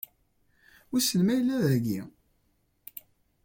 Wissen ma yella dagi?